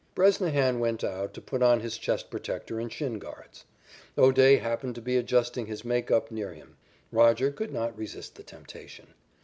Bresnahan went out to put on his chest protector and shin guards. O'Day happened to be adjusting his makeup near him. Roger could not resist the temptation.